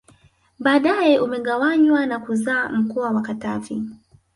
Baadae umegawanywa na kuzaa mkoa wa Katavi